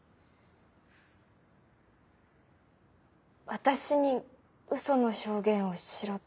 私にウソの証言をしろと？